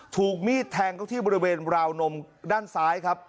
ถูกมีดแทงเขาที่บริเวณราวนมด้านซ้ายครับ